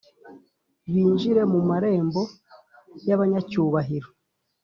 binjire mu marembo y’abanyacyubahiro.